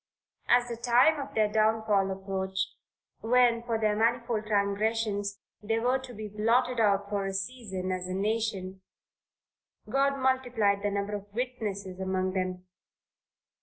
As the time of their downfall approached, when for their manifold transgressions they were to be blotted out for a season, as a nation, God multiplied the number of his witnesses among them.